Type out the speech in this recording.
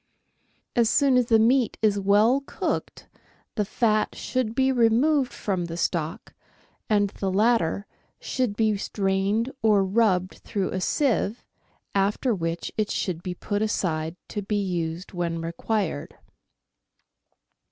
As soon as the meat is well cooked the fat should be removed from the stock, and the latter should be strained or rubbed through a sieve, after which it should be put aside to be used when required.